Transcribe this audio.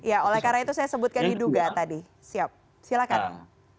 ya oleh karena itu saya sebutkan diduga tadi siap silakan